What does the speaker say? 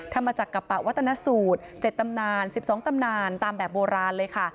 ทำมาจากกระปะวัตนสูตร๗ตำนาน๑๒ตำนานตามแบบโบราณเลยค่ะ